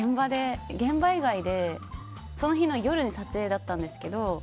現場以外でその日の夜に撮影だったんですけど。